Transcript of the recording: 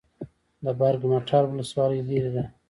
د برګ مټال ولسوالۍ لیرې ده